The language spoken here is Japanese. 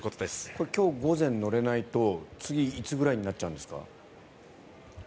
これ、今日午前乗れないと次、いつぐらいになっちゃうんですか？